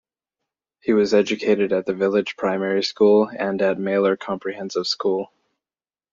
He was educated at the village primary school and at Maelor Comprehensive School.